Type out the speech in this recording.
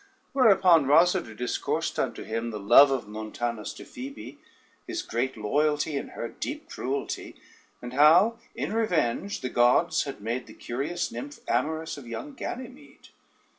Whereupon Rosader discoursed unto him the love of Montanus to Phoebe, his great loyalty and her deep cruelty, and how in revenge the gods had made the curious nymph amorous of young Ganymede.